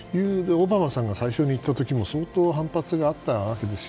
オバマさんが最初に行った時にも相当反発があったわけです。